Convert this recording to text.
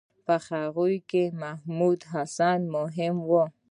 په هغوی کې محمودالحسن مهم و.